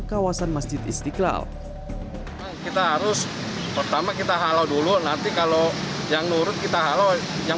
kawasan masjid istiqlal kita harus pertama kita halo dulu nanti kalau yang nurut kita halo yang